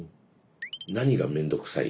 何が面倒くさい？